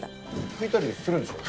拭いたりするんでしょ？